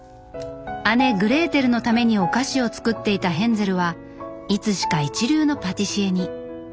姉グレーテルのためにお菓子を作っていたヘンゼルはいつしか一流のパティシエに。